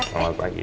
selamat pagi kev